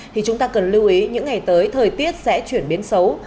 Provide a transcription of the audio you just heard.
thì chúng ta cần lưu ý những ngày tới thời tiết sẽ chuyển biến xấu